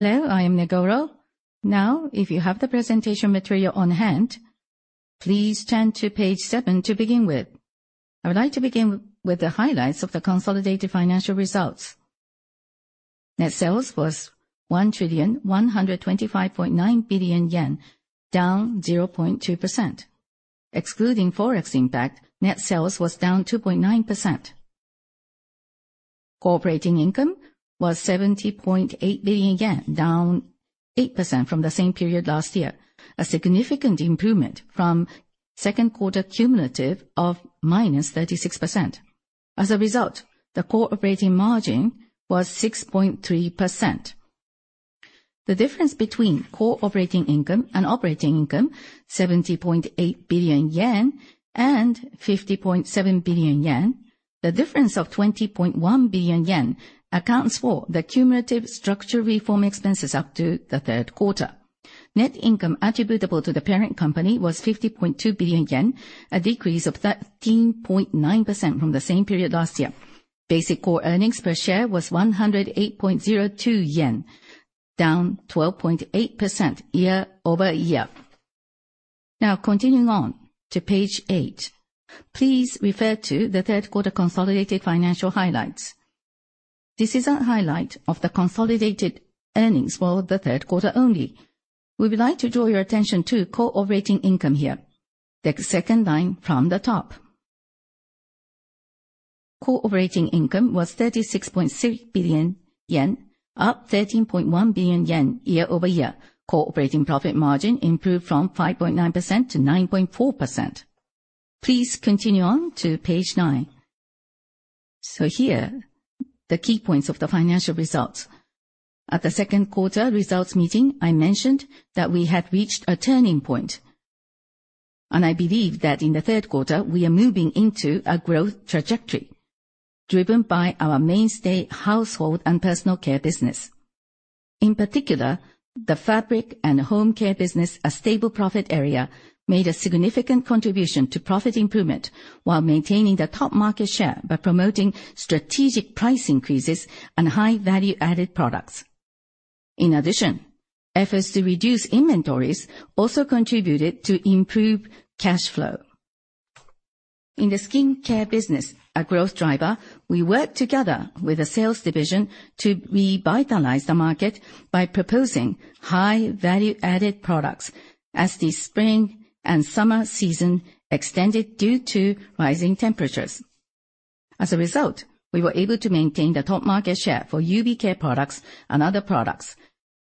Hello, I am Nagoro. If you have the presentation material on hand, please turn to page seven to begin with. I would like to begin with the highlights of the consolidated financial results. Net sales was 1,125.9 billion yen, down 0.2%. Excluding Forex impact, net sales was down 2.9%. Core operating income was 70.8 billion yen, down 8% from the same period last year, a significant improvement from second quarter cumulative of -36%. As a result, the Core operating margin was 6.3%. The difference between Core operating income and operating income, 70.8 billion yen and 50.7 billion yen, the difference of 20.1 billion yen, accounts for the cumulative structure reform expenses up to the third quarter. Net income attributable to the parent company was 50.2 billion yen, a decrease of 13.9% from the same period last year. Basic core earnings per share was 108.02 yen, down 12.8% year-over-year. Continuing on to page eight. Please refer to the third quarter consolidated financial highlights. This is a highlight of the consolidated earnings for the third quarter only. We would like to draw your attention to Core operating income here. The second line from the top. Core operating income was 36.6 billion yen, up 13.1 billion yen year-over-year. Core operating margin improved from 5.9% to 9.4%. Please continue on to page nine. Here, the key points of the financial results. At the second quarter results meeting, I mentioned that we had reached a turning point, and I believe that in the third quarter, we are moving into a growth trajectory, driven by our mainstay household and personal care business. In particular, the fabric and home care business, a stable profit area, made a significant contribution to profit improvement while maintaining the top market share by promoting strategic price increases and high value-added products. In addition, efforts to reduce inventories also contributed to improved cash flow. In the skincare business, a growth driver, we work together with the sales division to revitalize the market by proposing high value-added products as the spring and summer season extended due to rising temperatures. As a result, we were able to maintain the top market share for UV care products and other products,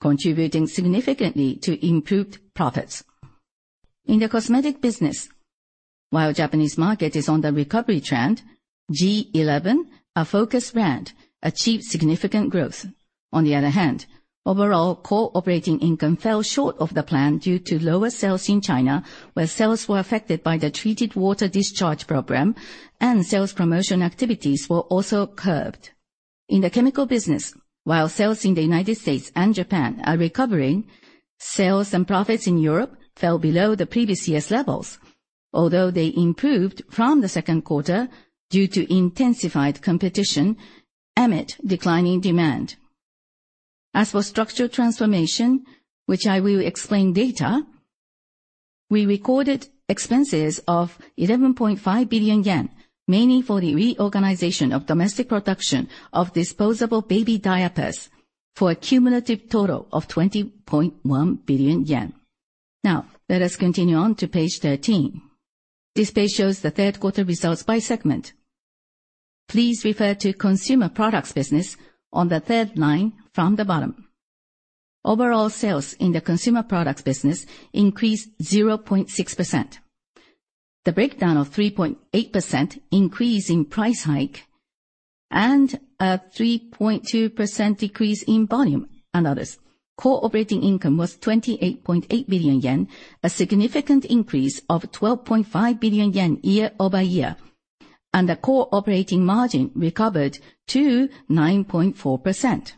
contributing significantly to improved profits. In the cosmetic business, while Japanese market is on the recovery trend, G11, our focused brand, achieved significant growth. On the other hand, overall Core operating income fell short of the plan due to lower sales in China, where sales were affected by the treated water discharge program, and sales promotion activities were also curbed. In the chemical business, while sales in the U.S. and Japan are recovering, sales and profits in Europe fell below the previous year's levels, although they improved from the second quarter due to intensified competition amid declining demand. As for structure transformation, which I will explain later, we recorded expenses of 11.5 billion yen, mainly for the reorganization of domestic production of disposable baby diapers, for a cumulative total of 20.1 billion yen. Let us continue on to page 13. This page shows the third quarter results by segment. Please refer to consumer products business on the third line from the bottom. Overall sales in the consumer products business increased 0.6%. The breakdown of 3.8% increase in price hike and a 3.2% decrease in volume and others. Core operating income was 28.8 billion yen, a significant increase of 12.5 billion yen year-over-year, and the Core operating margin recovered to 9.4%.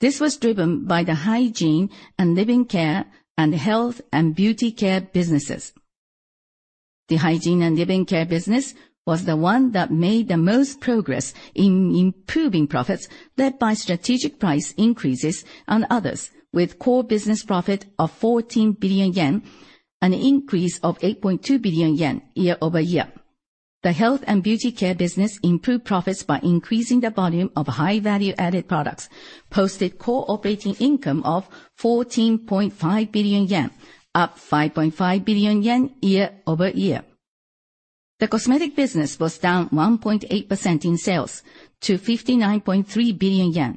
This was driven by the hygiene and living care and health and beauty care businesses. The hygiene and living care business was the one that made the most progress in improving profits, led by strategic price increases and others, with core business profit of 14 billion yen, an increase of 8.2 billion yen year-over-year. The health and beauty care business improved profits by increasing the volume of high value-added products, posted core operating income of 14.5 billion yen, up 5.5 billion yen year-over-year. The cosmetic business was down 1.8% in sales to 59.3 billion yen.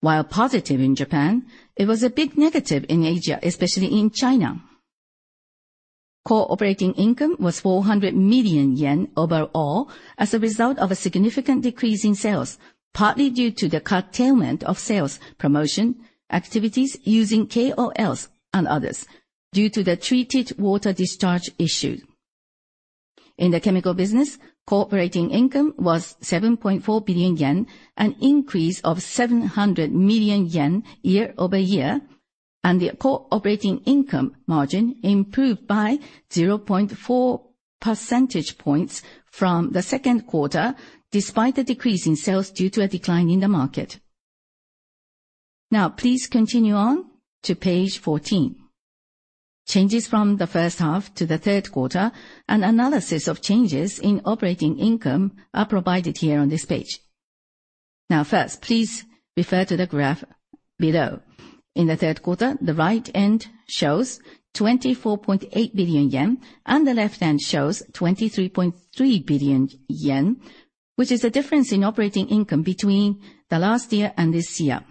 While positive in Japan, it was a big negative in Asia, especially in China. Core operating income was 400 million yen overall as a result of a significant decrease in sales, partly due to the curtailment of sales, promotion, activities using KOLs and others due to the treated water discharge issue. In the chemical business, core operating income was 7.4 billion yen, an increase of 700 million yen year-over-year. The operating income margin improved by 0.4 percentage points from the second quarter, despite the decrease in sales due to a decline in the market. Please continue on to page 14. Changes from the first half to the third quarter, and analysis of changes in operating income are provided here on this page. First, please refer to the graph below. In the third quarter, the right end shows 24.8 billion yen, and the left end shows 23.3 billion yen, which is the difference in operating income between the last year and this year.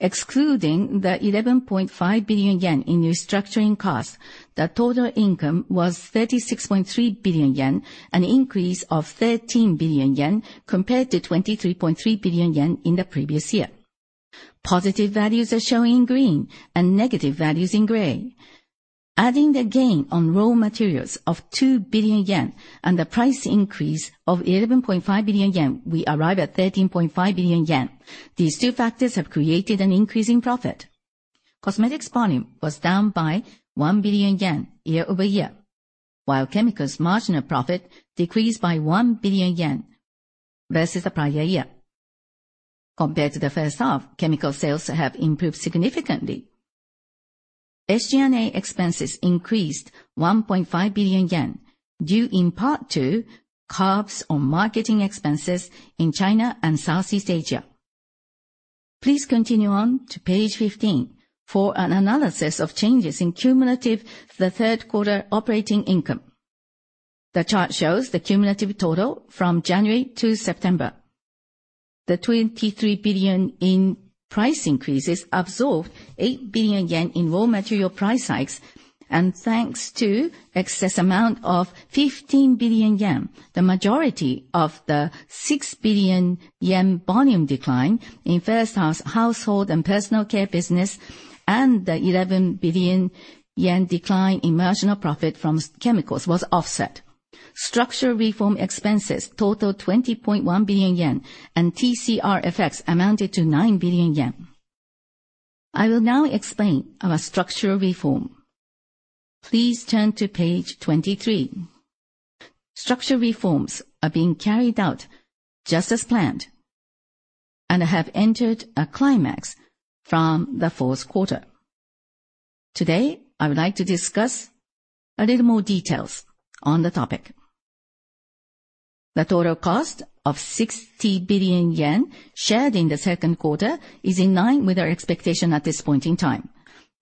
Excluding the 11.5 billion yen in restructuring costs, the total income was 36.3 billion yen, an increase of 13 billion yen compared to 23.3 billion yen in the previous year. Positive values are shown in green and negative values in gray. Adding the gain on raw materials of 2 billion yen and the price increase of 11.5 billion yen, we arrive at 13.5 billion yen. These two factors have created an increase in profit. Cosmetics volume was down by 1 billion yen year-over-year, while chemicals margin of profit decreased by 1 billion yen versus the prior year. Compared to the first half, chemical sales have improved significantly. SG&A expenses increased 1.5 billion yen, due in part to cuts on marketing expenses in China and Southeast Asia. Please continue on to page 15 for an analysis of changes in cumulative third quarter operating income. The chart shows the cumulative total from January to September. The 23 billion in price increases absorbed 8 billion yen in raw material price hikes, and thanks to excess amount of 15 billion yen, the majority of the 6 billion yen volume decline in first house household and personal care business, and the 11 billion yen decline in marginal profit from chemicals was offset. Structure reform expenses totaled 20.1 billion yen, and TCR effects amounted to 9 billion yen. I will now explain our structural reform. Please turn to page 23. Structural reforms are being carried out just as planned and have entered a climax from the fourth quarter. Today, I would like to discuss a little more details on the topic. The total cost of 60 billion yen shared in the second quarter is in line with our expectation at this point in time.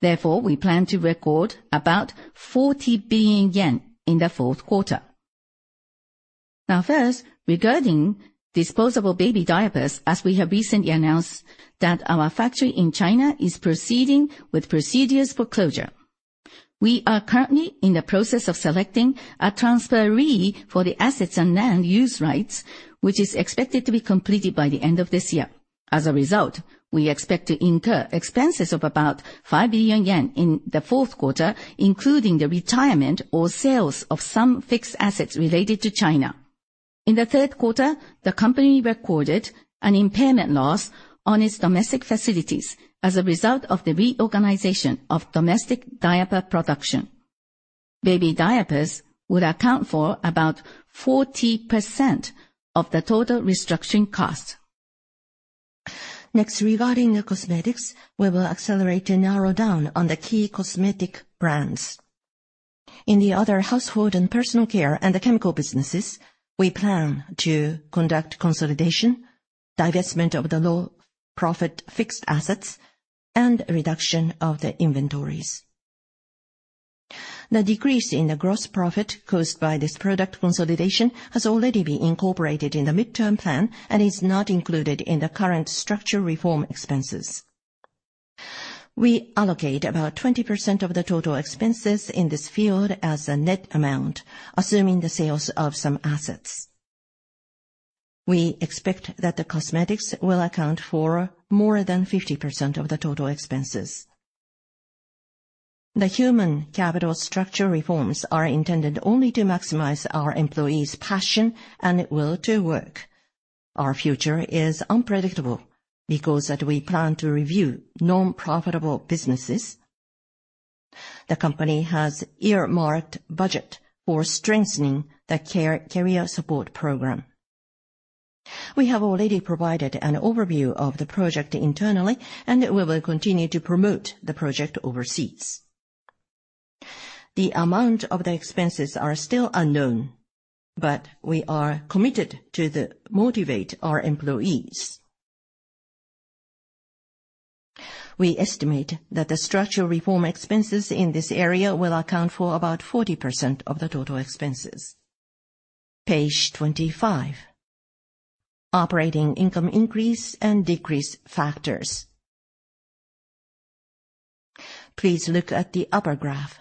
Therefore, we plan to record about 40 billion yen in the fourth quarter. First, regarding disposable baby diapers, as we have recently announced that our factory in China is proceeding with procedures for closure. We are currently in the process of selecting a transferee for the assets and land use rights, which is expected to be completed by the end of this year. As a result, we expect to incur expenses of about 5 billion yen in the fourth quarter, including the retirement or sales of some fixed assets related to China. In the third quarter, the company recorded an impairment loss on its domestic facilities as a result of the reorganization of domestic diaper production. Baby diapers would account for about 40% of the total restructuring cost. Regarding the cosmetics, we will accelerate to narrow down on the key cosmetic brands. In the other household and personal care and the chemical businesses, we plan to conduct consolidation, divestment of the low profit fixed assets, and reduction of the inventories. The decrease in the gross profit caused by this product consolidation has already been incorporated in the midterm plan and is not included in the current structure reform expenses. We allocate about 20% of the total expenses in this field as the net amount, assuming the sales of some assets. We expect that the cosmetics will account for more than 50% of the total expenses. The human capital structure reforms are intended only to maximize our employees' passion and will to work. Our future is unpredictable because that we plan to review non-profitable businesses. The company has earmarked budget for strengthening the career support program. We have already provided an overview of the project internally. We will continue to promote the project overseas. The amount of the expenses are still unknown, but we are committed to motivate our employees. We estimate that the structural reform expenses in this area will account for about 40% of the total expenses. Page 25. Operating income increase and decrease factors. Please look at the upper graph.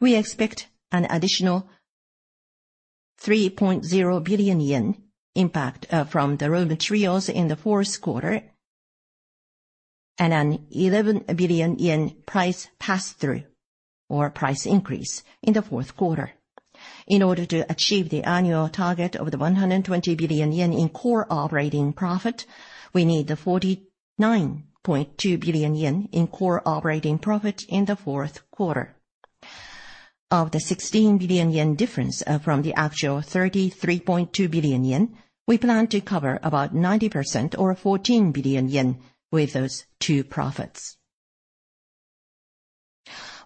We expect an additional 3.0 billion yen impact from the raw materials in the fourth quarter and an 11 billion yen price pass-through, or price increase in the fourth quarter. In order to achieve the annual target of the 120 billion yen in core operating profit, we need the 49.2 billion yen in core operating profit in the fourth quarter. Of the 16 billion yen difference from the actual 33.2 billion yen, we plan to cover about 90% or 14 billion yen with those two profits.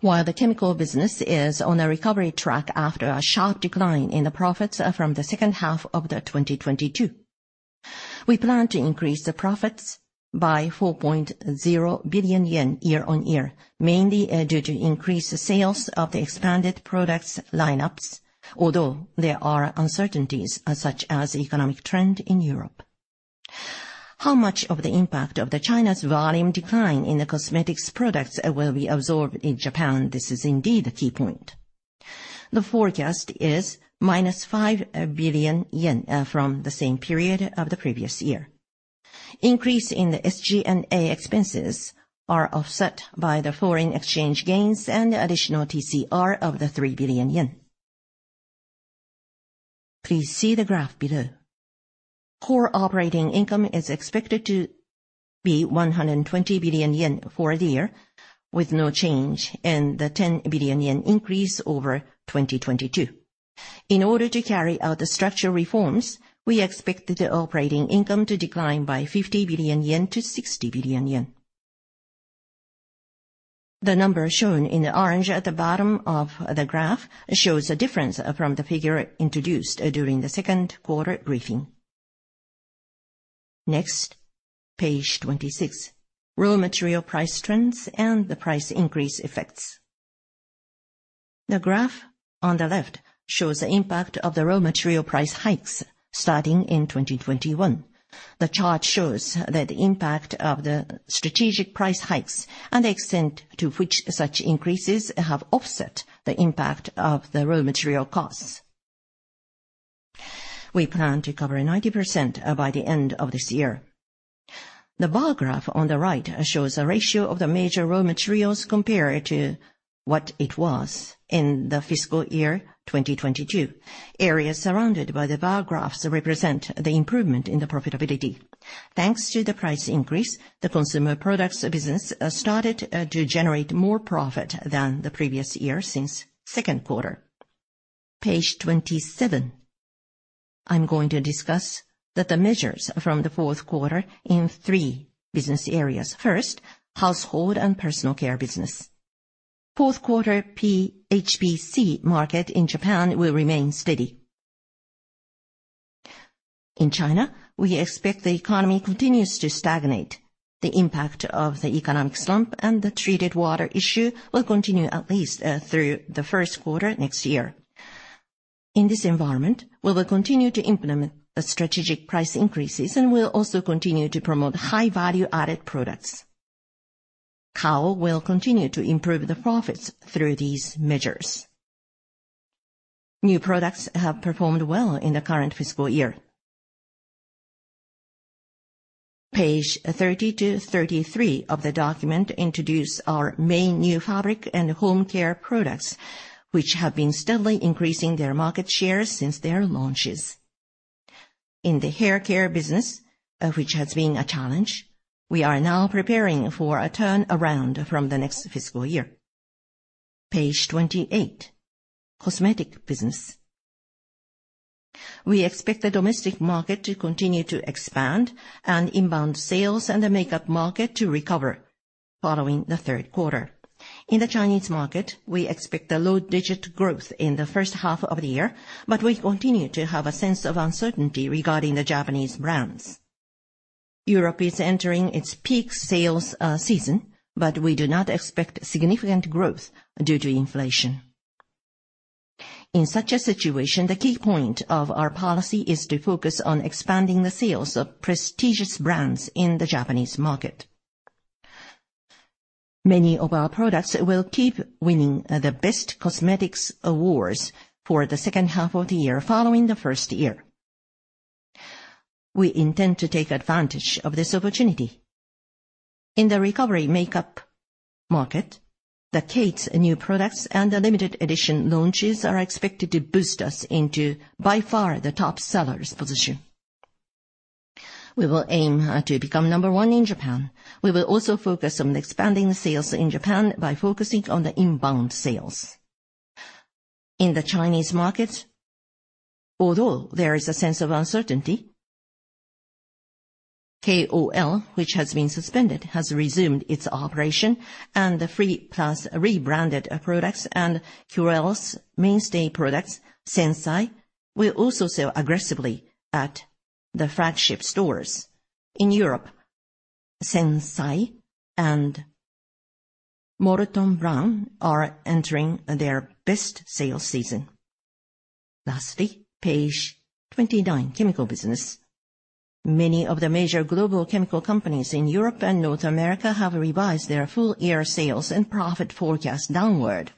The chemical business is on a recovery track after a sharp decline in the profits from the second half of 2022, we plan to increase the profits by 4.0 billion yen year-on-year, mainly due to increased sales of the expanded products lineups, although there are uncertainties, such as economic trend in Europe. How much of the impact of the China's volume decline in the cosmetics products will be absorbed in Japan? This is indeed a key point. The forecast is minus 5 billion yen from the same period of the previous year. Increase in the SG&A expenses are offset by the foreign exchange gains and additional TCR of 3 billion yen. Please see the graph below. Core operating income is expected to be 120 billion yen for the year, with no change in the 10 billion yen increase over 2022. In order to carry out the structural reforms, we expect the operating income to decline by 50 billion-60 billion yen. The number shown in the orange at the bottom of the graph shows a difference from the figure introduced during the second quarter briefing. Next, page 26. Raw material price trends and the price increase effects. The graph on the left shows the impact of the raw material price hikes starting in 2021. The chart shows that the impact of the strategic price hikes and the extent to which such increases have offset the impact of the raw material costs. We plan to cover 90% by the end of this year. The bar graph on the right shows the ratio of the major raw materials compared to what it was in the fiscal year 2022. Areas surrounded by the bar graphs represent the improvement in the profitability. Thanks to the price increase, the consumer products business started to generate more profit than the previous year since second quarter. Page 27. I am going to discuss the measures from the fourth quarter in three business areas. First, household and personal care business. Fourth quarter H&PC market in Japan will remain steady. In China, we expect the economy continues to stagnate. The impact of the economic slump and the treated water issue will continue at least through the first quarter next year. In this environment, we will continue to implement strategic price increases, and we will also continue to promote high value-added products. Kao will continue to improve the profits through these measures. New products have performed well in the current fiscal year. Page 30 to 33 of the document introduce our main new fabric and home care products, which have been steadily increasing their market share since their launches. In the haircare business, which has been a challenge, we are now preparing for a turnaround from the next fiscal year. Page 28, cosmetic business. We expect the domestic market to continue to expand and inbound sales and the makeup market to recover following the third quarter. In the Chinese market, we expect a low digit growth in the first half of the year, but we continue to have a sense of uncertainty regarding the Japanese brands. Europe is entering its peak sales season, but we do not expect significant growth due to inflation. In such a situation, the key point of our policy is to focus on expanding the sales of prestigious brands in the Japanese market. Many of our products will keep winning the best cosmetics awards for the second half of the year following the first year. We intend to take advantage of this opportunity. In the recovery makeup market, KATE's new products and the limited edition launches are expected to boost us into, by far, the top seller's position. We will aim to become number one in Japan. We will also focus on expanding the sales in Japan by focusing on the inbound sales. In the Chinese market, although there is a sense of uncertainty, KOL, which has been suspended, has resumed its operation, and freeplus rebranded products and Curél's mainstay products, SENSAI, will also sell aggressively at the flagship stores. In Europe, SENSAI and Molton Brown are entering their best sales season. Lastly, page 29, chemical business. Many of the major global chemical companies in Europe and North America have revised their full year sales and profit forecast downward.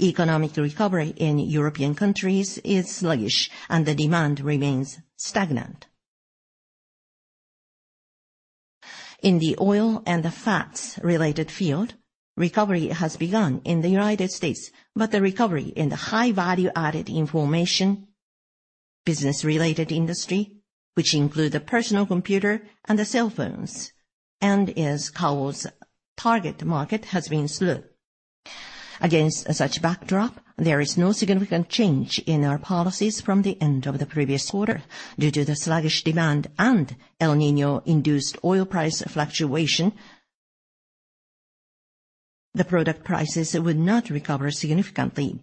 Economic recovery in European countries is sluggish and the demand remains stagnant. In the oil and the fats related field, recovery has begun in the United States, but the recovery in the high value-added information business related industry, which include the personal computer and the cell phones, and as Kao's target market, has been slow. Against such backdrop, there is no significant change in our policies from the end of the previous quarter. Due to the sluggish demand and El Niño induced oil price fluctuation, the product prices would not recover significantly.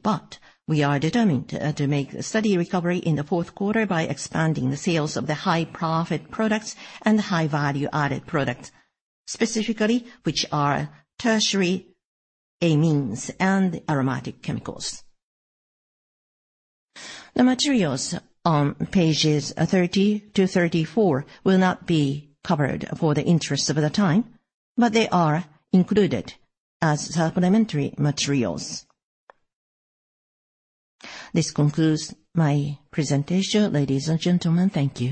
We are determined to make a steady recovery in the fourth quarter by expanding the sales of the high profit products and high value-added products, specifically, which are tertiary amines and aromatic chemicals. The materials on pages 30 to 34 will not be covered for the interest of the time, but they are included as supplementary materials. This concludes my presentation. Ladies and gentlemen, thank you.